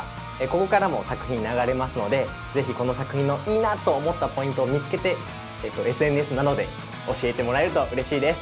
ここからも作品流れますのでぜひこの作品のいいなと思ったポイントを見つけてＳＮＳなどで教えてもらえるとうれしいです。